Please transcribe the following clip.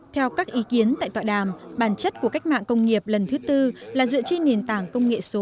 theo các ý kiến tại tọa đàm bản chất của cách mạng công nghiệp lần thứ tư là dựa trên nền tảng công nghệ số